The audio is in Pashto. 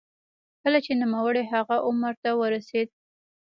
کله چې نوموړی هغه عمر ته ورسېد.